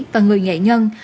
và người nghệ nhân